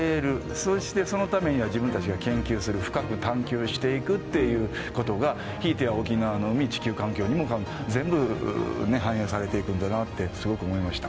そしてそのためには自分たちが研究する深く探究していくっていうことがひいては沖縄の海地球環境にも全部ね反映されていくんだなってすごく思いました。